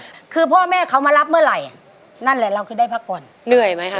คือพ่อแม่เขามารับเมื่อไหร่อ่ะนั่นแหละเราคือได้พักผ่อนเหนื่อยไหมคะ